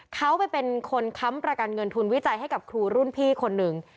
เขาไปเป็นคนค้ำประกันเงินทุนวิจัยให้กับครูรุ่นพี่คนหนึ่ง